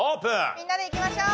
みんなでいきましょう！